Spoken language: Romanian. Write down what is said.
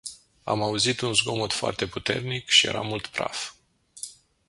Am auzit un zgomot foarte puternic și era mult praf.